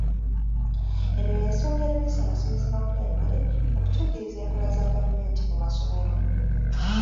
Eno y'ensonga eremesa abasomesa ba pulayimale okutuukiriza enkola za gavumenti mu masomero.